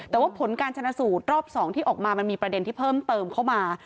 แต่ว่าผลการชนะสูตรรอบ๒ที่ออกมามันมีประเด็นที่เพิ่มเติมเข้ามา